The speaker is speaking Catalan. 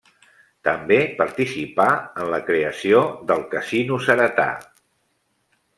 També participà en la creació del Casino Ceretà.